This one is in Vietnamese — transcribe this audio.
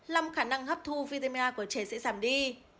làm khả năng hấp thu vitamin a của trẻ sẽ giảm đi